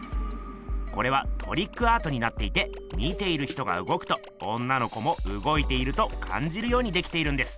これはトリックアートになっていて見ている人がうごくと女の子もうごいているとかんじるようにできているんです。